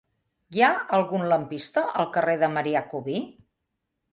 Hi ha algun lampista al carrer de Marià Cubí?